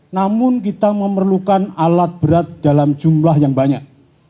namun kita memerlukan alat berat dalam jumlah yang banyak